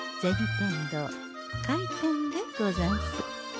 天堂開店でござんす。